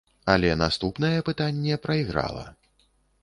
Але наступнае пытанне прайграла.